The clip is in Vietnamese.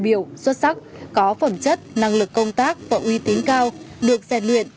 biểu xuất sắc có phẩm chất năng lực công tác và uy tín cao được gian luyện